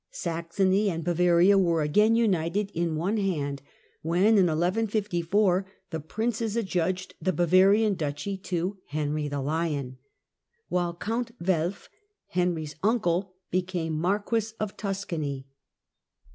Saxony and Bavaria were again united in one hand when, in 1154, the princes adjudged the Bavarian duchy to Henry the Lion, while Count Welf, Henry's uncle, became Marquis of Tuscany.